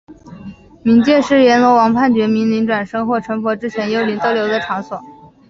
冥界是阎罗王判决幽灵转生或成佛之前幽灵逗留的场所。